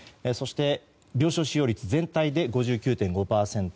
そして、病床使用率全体で５９．５％。